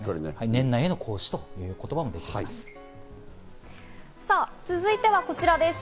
年内の行使という言葉も出てきています。